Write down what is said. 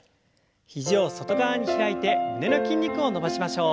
肘を外側に開いて胸の筋肉を伸ばしましょう。